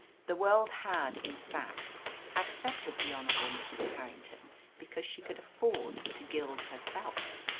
The world had, in fact, accepted the Honourable Mrs. Harrington because she could afford to gild herself.